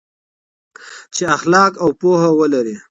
چې اخلاق او پوهه ولري.